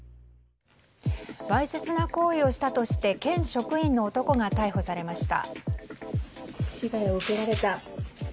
わいせつな行為をしたとして県職員の男が逮捕されました。